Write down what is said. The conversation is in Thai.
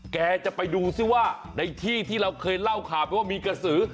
แกจะไปดูซิว่าในที่ที่เราเคยเล่าข่าวไปว่ามีกระสือ